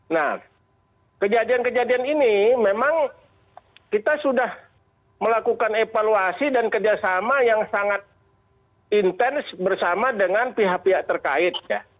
nah kejadian kejadian ini memang kita sudah melakukan evaluasi dan kerjasama yang sangat intens bersama dengan pihak pihak terkait